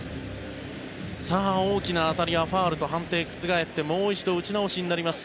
大きな当たりはファウルと判定覆ってもう一度打ち直しになります。